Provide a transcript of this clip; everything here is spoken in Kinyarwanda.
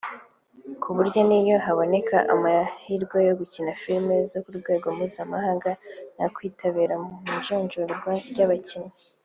kuburyo n’iyo haboneka amahirwe yo gukina filime zo ku rwego mpuzamahanga nakwitabira mu ijonjorwa ry’abakinnyi(Casting)